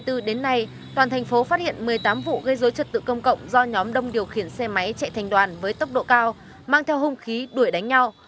từ đầu năm hai nghìn hai mươi bốn đến nay toàn thành phố phát hiện một mươi tám vụ gây rối trật tự công cộng do nhóm đông điều khiển xe máy chạy thành đoàn với tốc độ cao mang theo hông khí đuổi đánh nhau